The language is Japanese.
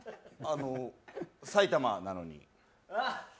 埼玉なので。